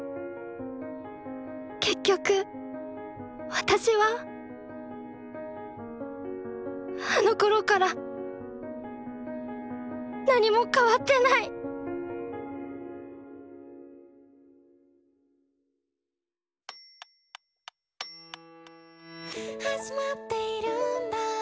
結局私はあのころから何も変わってない「始まっているんだ